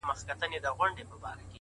د زړه روڼتیا د ژوند ښکلا زیاتوي؛